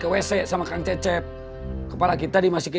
kalo kamu sama abang dip palebut sampai mobilnya kekananku